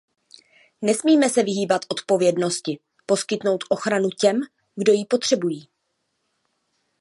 Nesmíme se vyhýbat odpovědnosti poskytnout ochranu těm, kdo ji potřebují.